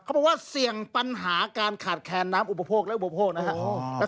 เขาบอกว่าเสี่ยงปัญหาการขาดแคลนน้ำอุปโภคและอุปโภคนะครับ